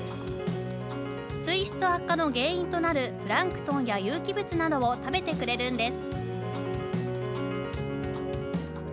水質悪化の原因となるプランクトンや有機物などを食べてくれるんです。